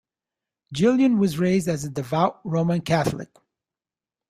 Jillian was raised as a devout Roman Catholic.